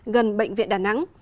gần bệnh viện đà nẵng